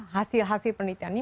hasil hasil penelitian ini